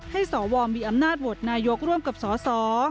ให้สวมีอำนาจวดนายกรรมกับสส